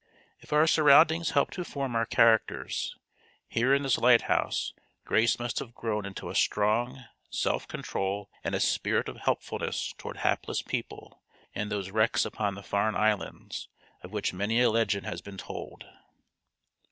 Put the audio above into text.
If our surroundings help to form our characters, here in this lighthouse Grace must have grown into a strong self control and a spirit of helpfulness toward hapless people and those wrecks upon the Farne Islands, of which many a legend has been told.